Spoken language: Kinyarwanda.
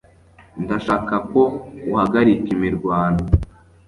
Ndashaka ko uhagarika imirwano